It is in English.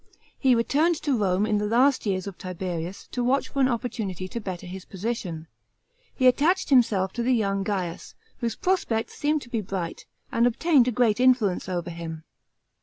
He returned to Rome in the last years of Tiberius, to watch for an opportunity to better his position. He attached himself to the young Gains, whose prospects seemed to be bright, and obtained a great influence over him.